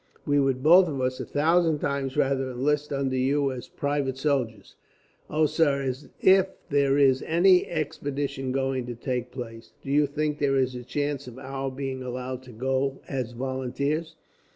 "We would, both of us, a thousand times rather enlist under you as private soldiers. Oh, sir, if there is any expedition going to take place, do you think there is a chance of our being allowed to go as volunteers?"